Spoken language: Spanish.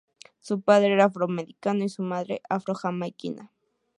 Su padre era afroamericano y su madre afro-jamaiquina.